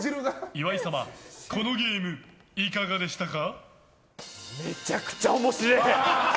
岩井様、このゲームいかがでしたか？